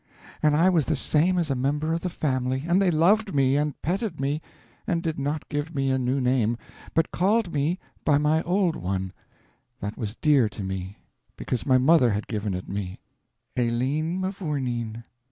And I was the same as a member of the family; and they loved me, and petted me, and did not give me a new name, but called me by my old one that was dear to me because my mother had given it me Aileen Mavoureen.